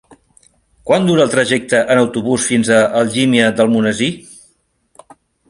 Quant dura el trajecte en autobús fins a Algímia d'Almonesir?